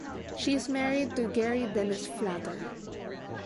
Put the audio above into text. She is married to Gary Denis Flather.